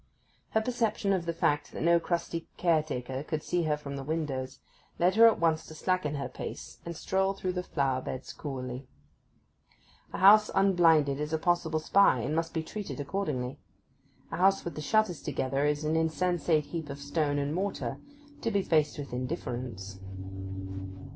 Her perception of the fact that no crusty caretaker could see her from the windows led her at once to slacken her pace, and stroll through the flower beds coolly. A house unblinded is a possible spy, and must be treated accordingly; a house with the shutters together is an insensate heap of stone and mortar, to be faced with indifference.